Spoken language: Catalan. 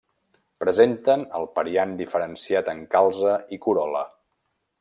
Presenten el periant diferenciat en calze i corol·la.